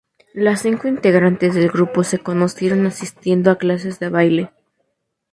Las cinco integrantes del grupo se conocieron asistiendo a clases de baile.